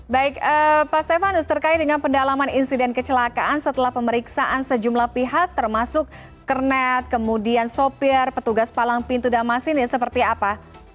baik pak stefanus terkait dengan pendalaman insiden kecelakaan setelah pemeriksaan sejumlah pihak termasuk kernet kemudian sopir petugas palang pintu damas ini seperti apa